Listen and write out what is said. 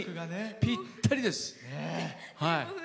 ぴったりです。